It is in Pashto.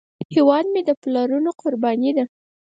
هیواد مې د پلرونو قرباني ده